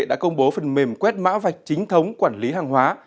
đã công bố phần mềm quét mã vạch chính thống quản lý hàng hóa